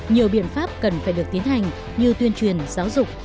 nhiều biện pháp cần phải được tiến hành như tuyên truyền giáo dục